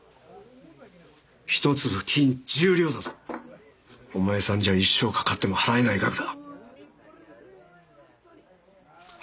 １粒金１０両だぞお前さんじゃ一生かかっても払えない額だ